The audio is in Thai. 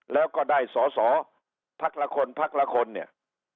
แล้วก็ได้สอสอพักละคนพักละคนเนี่ย